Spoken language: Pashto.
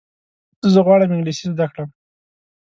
زه غواړم انګلیسي زده کړم.